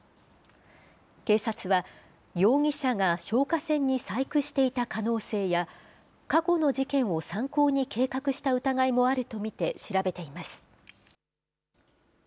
警察は、容疑者が消火栓に細工していた可能性や、過去の事件を参考に計画した疑いもあると見て調べています。